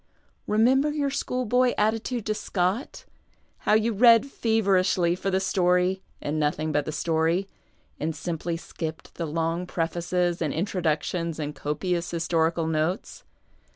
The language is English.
Remember your school boy attitude to Scott ; how you read feverishly for the story and nothing but the story, and simply skipped the long prefaces and introductions and copious historical notes